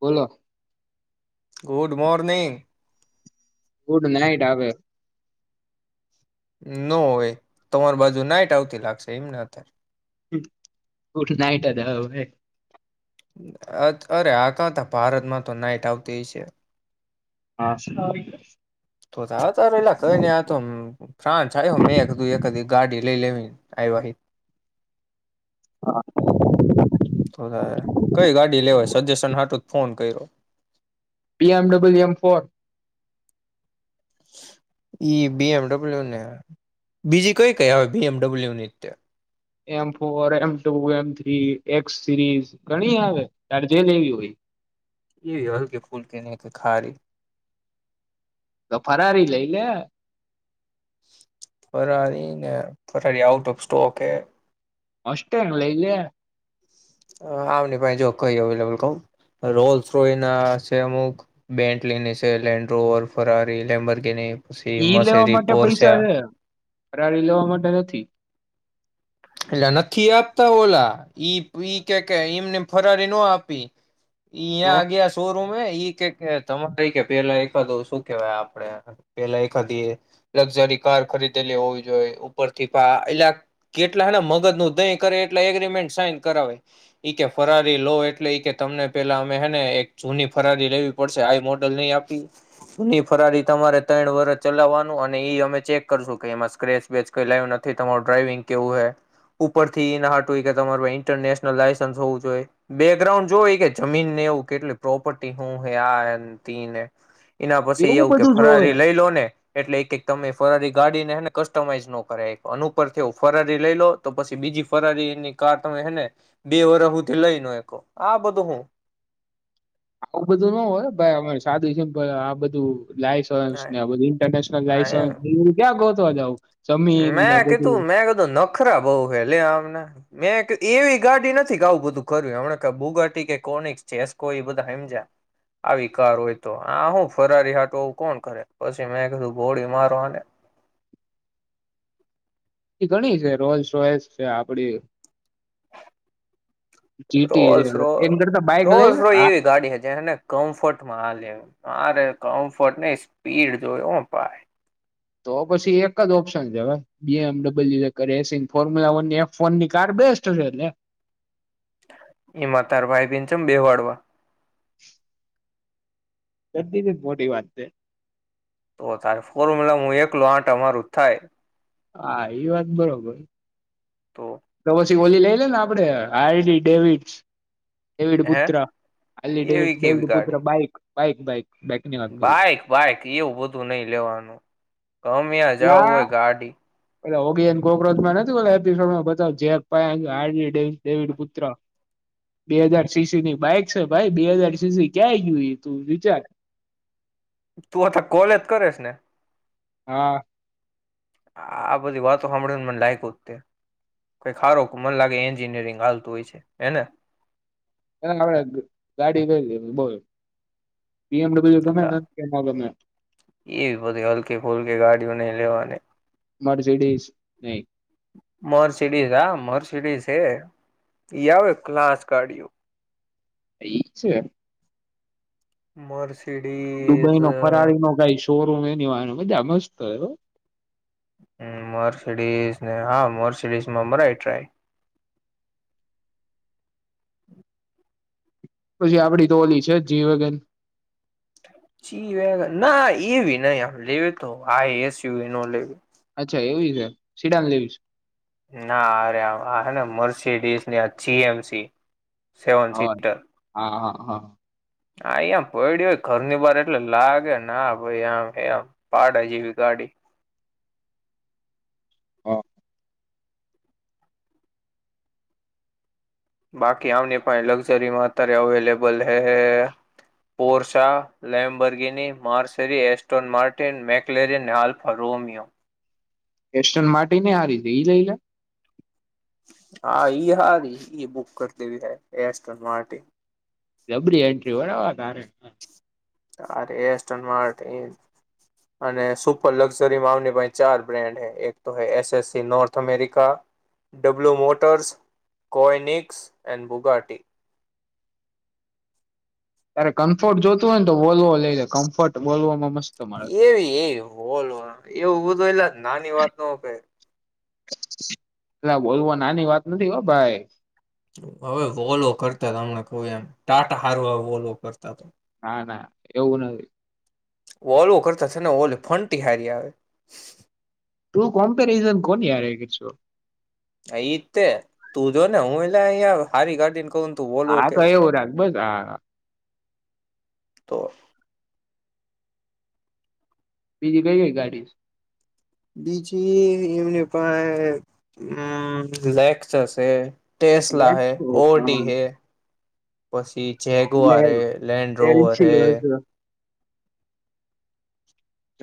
બોલો good morning good ન નાઈટા આવે ન હોય તમાર બાજુ નાઈટ આવતી લાગશે એમને અત્યારે ઉઠ નાઈટ હોય હવે અરે આ કાતા ભારતમાં તો નાઈટ આવતી છે. હા સર તો ત એેલા કઈ ને આતો ફ્રાન્સ આ મેં એક એકધી ગાડી લઈ લેવી આઈ વાહિત કઈ ગાડી લેવાય સજેશન હાટું ફોન કર્યો B M W M four ઈ બીએમડબલ્યુ ને બીજી કઈ કઈ આવે બીએમડબલ્યુની M four M two M three X series ઘણી આવે ચાર જે લેવી હોય એ એવી હલ કે ફૂલ કેને કે ખારી તો ફરારી લઈ લે ફરારી ને ફરરી આઉટ ઓફ સ્ટોક એ અસ્ટેંગલે આમની પાહે જો કઈ અવેલેબલ કવુ રોલો ના છે અમુક બેલી છે land rover Ferrari Lamborghini ઈ લેવા માટે પૈસા છે ફરાડી લેવા માટે નથી. એટલે નથી આપતા ઓલા ઈ ઈ કે કે એમને ફરારી ન આપી તો ઈયા આગયા શોરૂમ ઇ કે કે તમારે કે પેલા એકાદું શું કેવાય આપે આપડે એકાદી લક્ઝરી કાર ખરીદેલી હોવી જોઈ ઉપરકા એટલે કે એટલા હેને મગજ નું દહી કરે એટલે એગ્રીમેન્ટ સાઈન કરાવે ઈ કે ફરારી લો એટલે ઈ કે તમને પેલા અમે હેને એક જૂની ફરરી લેવી પડશે આ મોડલ નહી આપી જૂની ફરારી તમારે ત્રણ વર ચલાવવાનું અને એ અમે ચેક કરશું કે એમાં સ્ક્રેચ વેચ કઈ લાવું નથી તમારું ડ્રાઈવિંગ કેવું હે ઉપરથી એના હાટુ કે તમાર ઇન્ટરનેશનલ લાયસન્સ હોવું જોઈએ બેકગ્રઉન્ડ જો કે જમીનને એવું કેટલી પ્રોપર્ટી હું હૈ આને એના પછી એવું કે બધું જોવે ફરારી લઈ લો ને એટલે એક એક તમે ફરારી ગાડીને કસ્ટમાઈઝ નો કરે અનુ ઉપર ફરારી લઈ લો તો પછી બીજી ફરારીની કાર તમે હેને બે વરષ સુધી લઈ ન હકો આ બધું હું આવું બધું ના હોય ભાઈ અમારે સાડી સિમ્પલ આ બધું લાયસન્સ ને આ બધૂ ઇન્ટરનેશનલ લાઈસેન્સ એયુ ક્યા ગોતવા જાઉ મેં કીધું મેં કીધું નખરા બઉ હે લે અમને મેં એવી ગાડી નથી કે આવું બધું કર્યું હમ બુગાટી કે કોરનીક છે ઇસ્કો એ બધા હમજાય આવી કાર હોય તો આ હું ફરારી હાટ એ કોણ કરે પછી મેં કીધું ગોળી મારો આને એ ઘણી છે રોયલ્સ રોયલ્સ છે આપડી જીટી રોલ્સ એમ કરતા બાઈક લઈ રોલ્સ રો હા એવી ગાડી હ જેને કમ્ફર્ટમાં હાલે એમ મારે કમ્ફર્ટ નને સ્પીડ જોય હું ભાઈ તો પછી એક જ ઓપ્શન છે હવે બી એમ ડબ્લીયું એકજ એસી ફોર્મ્યુલા વ એ ફોન ની કાર બેસ્ટશે એટલે એમાં તાર ભાઈબીંચમ બેહાડવા [inaudible] કરદીધીને મોટી વાત છે. તો તારે ફોર્મ્યુલા હું એકલો આતો અમારું થાય. હા એ વાત બરોબર તો [inaudible] તી ઓલી લઈ લે ને, આપડે હળવી ડેવિડસ. ડેવિડ હે પુત્ર અલી ડેવિડ એવી ડેવિડ કેવી પુત્ર ગાડી બાઈક બાઈક બાઈક. બાઈક ની વાત કરું છું બાઈક બાઈક એવું બધું નઈ લેવાનું ગમ્યા જાઉ, હો ગાડી [unintelligible] [unintelligible] બ ડેવિડ પુત્ર બે હાજર સી સી ની બાઈક છે ભાઈ બે હજાર સી સી ક્યાં ગયું તું વિચાર તું આ તો કોલેજ કરેસ ને હા. આ બધી વાતો હંમભળીને મને લાયકુજ તે કઈ ખારો મને લાગે એન્જિનિયરિંગ હાલતું હોયસે હેને. એ [unintelligible] ગાડી જોઈતી હોય તો બોલ. ગા એવી બધી હલકી ફુલકી ગાડીઓ, નઈ લેવાને. મર્સિડીઝ નહી. મર્સિડીસ હા, મર્સિડીસ હે ઈ આવે ક્લાસ ગાડીઓ. ઈ છે. મર્સિડીઝ દુબઈ નો ફરારી નો ગાઈશ. શોરૂમ એની બધા મસ્ત હહો. મર્સિડીઝ ને હા મર્સિડીસ માં મરાય ટ્રાય. પછી આપડી તો ઓલી છે જ જીવગન. ચી ના એવી નહી લે તો આ એસયુ ન લે અચ્છા એવી છે, સીડાન લેવી છે. ના અરે આ આ હે ને મર્સિડીસ ની, આ જી એમ સી. હો, હા હા હા હા, અ પડી હોય ઘરની બાર એટલે લાગેને ભાઈ આમમ પાડા જેવી ગાડી. હ. બાકી આમની પા લક્ઝરીમાં અત્યારે અવેલેબલ હ Porsche, Lamborghini, Maserati, Aston, Martin, McLaren, Alfa, Romeo. કેસ્ટન માટે ને આ રીતે ઈ લઈ લે. હા ઈ હારી ઈ બુક કરી. દેવી હ એરસ્ટલ માટે ડબલી એન્ટ્રી બરાબર તારે આ એસ્ટર્ અને સુપર લક્ઝરી મા ચાર બ્રેન્ડ એક તો એસ સ C, North America, W motors, કોનિક્સ એ બુગાટી. ત્યારે કમ્ફર્ટ જોતું હોય ને તો બોલવો લઈ લે કમ્ફર્ટ બોલવામાં મસ્ત. મળે એવી એ બોલ એ ઉભું તો એટલે નાની વાત ન કે એ બોલવો નાની વાત નથી. હો ભાઈ! હવે વોલો કરતા હમને કોઈ એમ, ટાટા હારવા વોલો કરતા, તો ના ના એવું નથી. ઓલોવો કરતા છે, ને ઓલે ફંટી હારી આવે. તું કમ્પરિઝન કો હું. હ તે તું જો ને હું એલા હારી ગ્ટન કું હા તો એવું રાખ બસ. હા તો બીજી કઈ ગઈ ગાડી બીજી એમને પણ, હમ લેકહશે હે ટેસ્લા હૈ, ઓડી હૈ. પછી જેગવાર હે લેન્ડ રોવર હે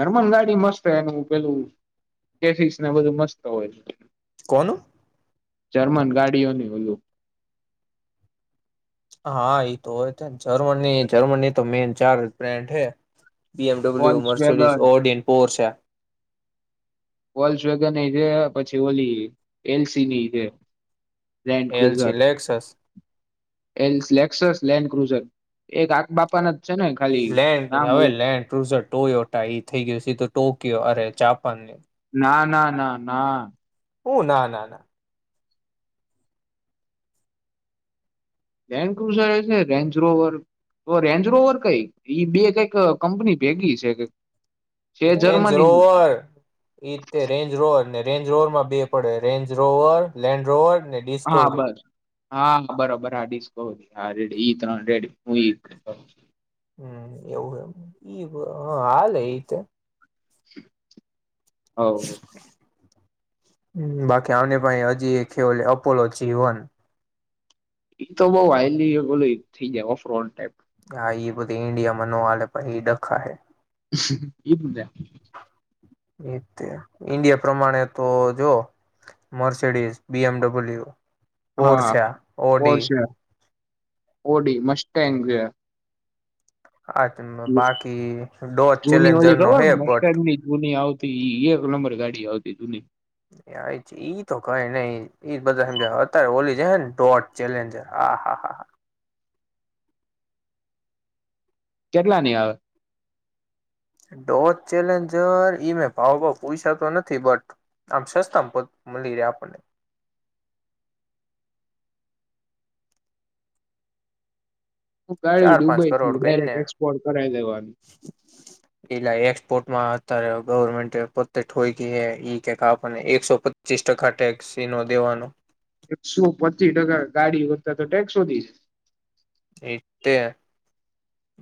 જર્મન ગાડી મસ્ત એનું પેલું ચેજીશ બધું મસ્ત હોય કોનું જર્મન ગાડીઓની ઓલુ હા એ તો હોય છે જર્મન જર્મનની તો મેન ચાર બ્રેન્ડ હે B M Volkswagen W Audi અને પોરશાં વોકસ વેગનની છે પછી ઓલી એલસીની છે Land Cruiser LC Lexus Land Cruiser એક આ બાપાના છે ને ખાલી લેડ નામ હવે અલગ લેન્ડ ક્રુઝર ટોયટા એ થઈ ગયું તો ટ ક અરે જાંપાન ના ના ના ના હું ના ના ના લેન્ડ ક્રુઝર છે રેન્જરોવર તો રેન્જરોવર કઈક ઈ બે કઈક કંપની ભેગી છે છે રેન્જ જર્મનીની રોવર એતે રેન્જ રોવર ને રેન્જ રોવરમા બે પડે રેન્જ રોવર લેન્ડ રોવર ને હા ડિસ્કવરી બસ હા બરોબર હા ડિસ્કવ હ રેડી ઈ ત્રણ રેડી હું હમ એવુમ હ હાલે ઇયતે [inaudible] હાઉ બાકી આને પાહે હજી એક હે ઓલી અપોલો જીવન ઈ તો બઉ હાયલી બોલુ થઈ જાય ઓફ રોડ ટાઈપ હા ઈ બધી ઇન્ડિયામા નો હાલે એ પહી ડખા હે ઈ જ ને એ તે ઈન્ડિયા પ્રમાણે તો જો મર્સડીઝ બી એમ ડબલ્યુ હા પોરસા ઓડી પોર્સ છે ઓડી મસ્ટેંગ હા બાકી ડો જૂની ચેલેન્જર ઓલી નો ખબર હે પણ બટ મસ્ટેંગની જૂની આવતી એક નંબર ગાડી આવતી જૂની છે ઈ તો કઈ નઈ એ બધા હજયા અત્યારે ઓલી છે ને ડોટ ચેલેન્જર આ હા હા હા હા કેટલાની આવે ડો ચેલેન્જર ઈ મે ભાવ ભાવ પૂયસા તો નથી બટ આમ સસ્તામા મળી રહે આપણને હું ગાડી ચાર પાંચ દુબઈ કરોડ થી કઈને ડાયરેક્ટ એક્સપોર્ટ કરાવી દેવાની એલા એસપોર્ટમા ત્યારે ગવર્મેન્ટ પોતે ઠોયઈ કે આપણને એકસો પચીસ ટકા ટેક્સ એનો દેવાનો એકસો પચી ટકા ગાડી કરતા તો ટેક્સ વધી છે એ તે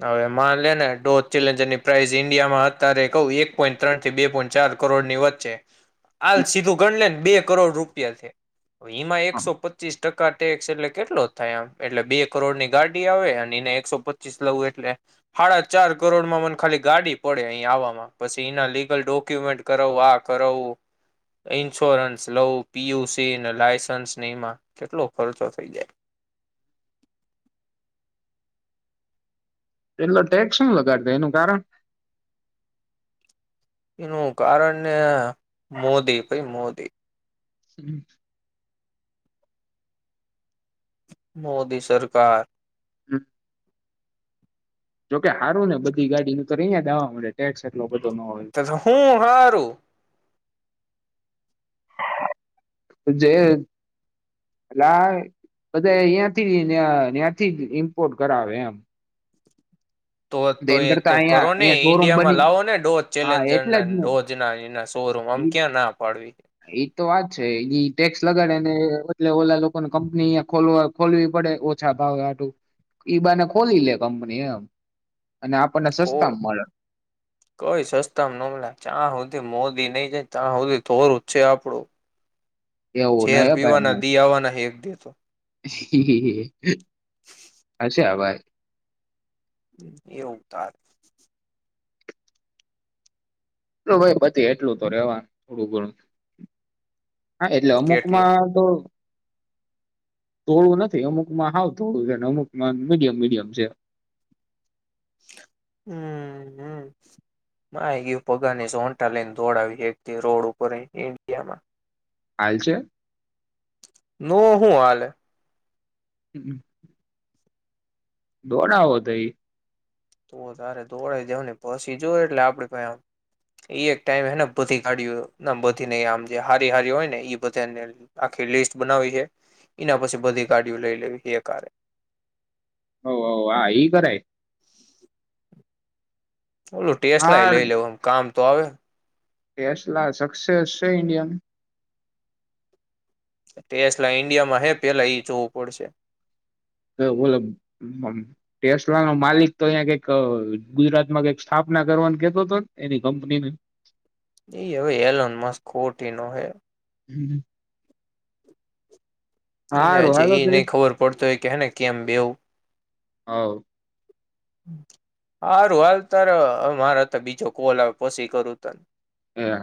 હવે માનલેને ડો ચેલેજરની પ્રાાઈઝ ઈન્ડિયામા અત્યારે ક એક પોઈન્ટ ત્રણ થી બે પોઈન્ટ ચાર કરોડ ની વચ્ચે હાલ જાય સીધું ગણ લે બે કરોડ રૂપિયાથી હવે ઈમા હા એકસો પચીસ ટકા કા ટેક્સ એટલે કેટલો થાય આમ એટલે બે કરોડ ની ગાડી આવે એને એકસો પચીસ લવુ એટલે સાાડા ચાર કરોડમા મને ખાલી ગાડી પડે અહી પછી એના લીગલ ડોક્યુમેન્ટ કરું આ કરું ઈન્સ્યોરન્સ લ પીયુસી લસન્સને એમા કેટલો ખર્ચો થઈ જાય એટલો ટેક્સ શું લગાડતા એનુ કારણ નુ કારણ મોદી ભૈઈ મોદી હમ [inaudible] મોદી સરકાર હમ જોકે હારું ને બધી ગાડીનુ તો યાદ આવા મળે ટેક્સ એટલો બધો ન હોય તો હું હારું જેટ લાગ બધા અયાથી અ અયાથી ત્યાથી ઇમ્પોર્ટ કરાવે એમ તો તો એન એ કરતા તો અહીંયા કરો ને અહીંયા શોરૂમ ઈન્ડિયામા બની લાવો ને ડોઝ હા ચેલેન્જર એટલે ના જ ને ડોઝ ના શોરૂમ આમ ઈ ક્યાં ના પાડવી એઈ તો વાત છે એ ટેક્સ લગાડે ને એટલે ઓલા લોકોને કંપની અ ખોલવા ખોલવી પડે ઓછા ભાવે હાટુ ઈબાને ખોલી લે કંપની એમ અને આપણને કો સસ્તામાં મળે કોઈ સસ્તા નમ ચા સુધી મો દી નહી જાય તા હુધિ તોરું છે આપણું એવું નહી ભાઈ એક દી તો [unintelligible] હીહી હશે હવે [unintelligible] એ ઉતાર જો ભઈ બધે એટલું તો રેવાનું થોડું ઘણું હા એટલે અમુક કેટલું માં તો થોડું નથી અમુકમાં હાવ થોડું છે અને અમુકમાં મીડિયમ મીડિયમ છે હમ હમ [unintelligible] લઈને દોડાવયે એક રોડ ઉપર ઇન્ડિયામાં હાલ છે નો હું આલે હમ દોડાઓ તઈ તો તારે દોડઈ જાવ ને પછી જો એટલે આપડી પાહે એક ટાઈમ હેને બધી ગાડીઓ ના બધી નઈ આમ જે હારી હારી હોય ને ઈ બધાને આખી લિસ્ટ બનાવી હે એના પછી બધી ગાડીઓ લઈ લેવી એક હારે હવહવ આ ઈ કરાય ઓલું ટેસલાઈ આ લઇ લેવુ કામ તો અવે ટેસ્લા સક્સેસ છે ઇન્ડિયાનું ટેસ્ટલા ઈન્ડિયામાં હે પહેલા એ જોવું પડશે [unintelligible] ટેસ્લા નો માલિક તો અંયા કઈક ગુજરાત માં કઈક સ્થાપના કરવાનું કેતો તોને એની કંપનીનુ એ હવે એલોન માસ ખોતી નો હે હમ એને આજે એ નહી ખબર પડતો હોય કે હેને કેમ બેવું હવ હારું હાલ તાર મારે તો બીજો કોલ આવે પછી કરું તન એ હા